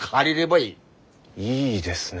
いいですね。